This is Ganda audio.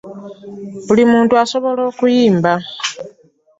Buli muntu asoboola okuyimba.